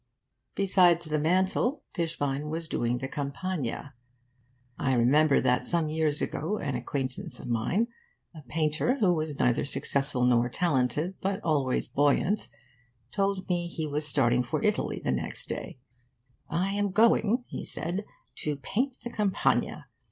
Besides the mantle, Tischbein was doing the Campagna. I remember that some years ago an acquaintance of mine, a painter who was neither successful nor talented, but always buoyant, told me he was starting for Italy next day. 'I am going,' he said, 'to paint the Campagna.